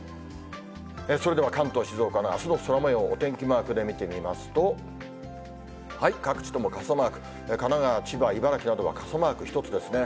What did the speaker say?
それでは関東、静岡のあすの空もよう、お天気マークで見てみますと、各地とも傘マーク、神奈川、千葉、茨城などは傘マーク一つですね。